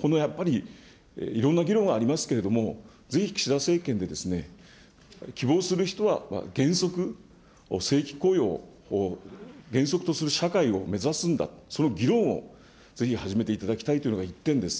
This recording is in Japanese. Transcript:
このやっぱりいろんな議論はありますけれども、ぜひ岸田政権で希望する人は原則、正規雇用を原則とする社会を目指すんだと、その議論をぜひ始めていただきたいというのが１点です。